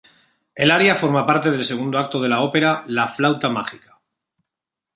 El aria forma parte del segundo acto de la ópera La flauta mágica.